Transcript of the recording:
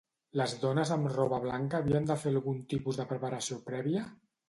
Les dones amb roba blanca havien de fer algun tipus de preparació prèvia?